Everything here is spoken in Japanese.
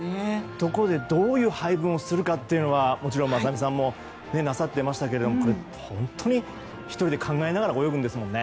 どこでどういう配分をするかというのはもちろん雅美さんもなさっていましたが本当に１人で考えながら泳ぐんですもんね。